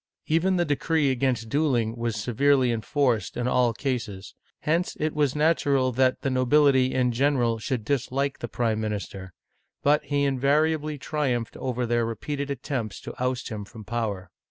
Even the decree against dueling was severely enforced in all cases ; hence it was natural that the nobility, in gen eral, should dislike the prime minister ; but he invariably triumphed over their repeated attempts to oust him from power.